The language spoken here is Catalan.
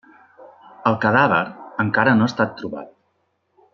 El cadàver encara no ha estat trobat.